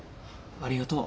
ありがとう。